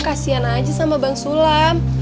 kasian aja sama bang sulam